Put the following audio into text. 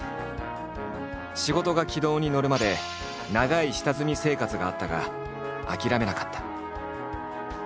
仕事が軌道に乗るまで長い下積み生活があったが諦めなかった。